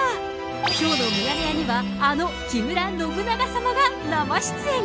きょうのミヤネ屋には、あの木村信長さまが生出演。